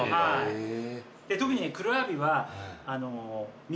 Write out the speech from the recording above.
へえ。